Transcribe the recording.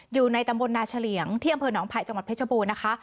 อยู่ในตำบลนาเฉลี่ยงที่อำเภอหนองไผ่จังหวัดเพชรบูรณ์นะคะ